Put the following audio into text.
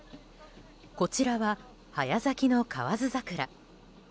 こちらは早咲きの河津桜。